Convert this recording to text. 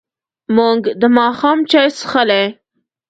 موږ د ماښام چای څښلی.